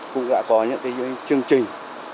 cũng đã có những cái chương trình